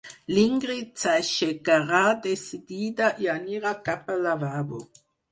L'Ingrid s'aixecarà decidida i anirà cap al lavabo.